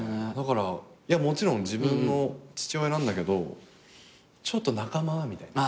もちろん自分の父親なんだけどちょっと仲間みたいな。